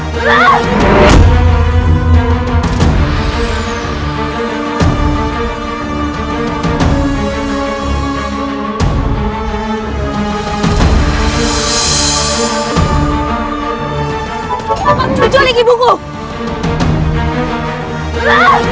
muncul lagi buku